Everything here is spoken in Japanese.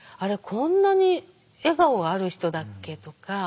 こんなに笑顔がある人だっけ」とか。